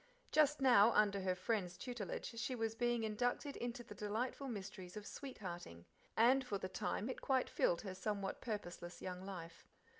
Just now, under her friend's tutelage, she was being inducted into the delightful mysteries of sweethearting, and for the time, it quite filled her some what purposeless young life.